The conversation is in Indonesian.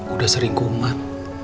udah sering kuman